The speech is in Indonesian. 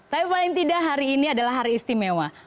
tapi paling tidak hari ini adalah hari istimewa